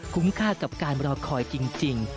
ค่ากับการรอคอยจริง